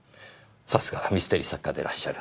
さすがはミステリー作家でいらっしゃる。